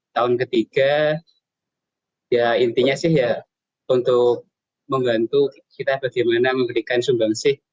tahun ketiga ya intinya sih ya untuk membantu kita bagaimana memberikan sumbang sih